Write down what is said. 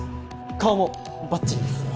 顔もバッチリです